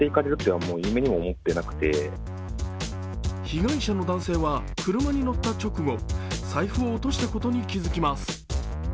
被害者の男性は、車に乗った直後財布を落としたことに気付きます。